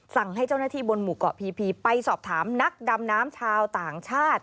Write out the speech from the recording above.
สั่งให้เจ้าหน้าที่บนหมู่เกาะพีไปสอบถามนักดำน้ำชาวต่างชาติ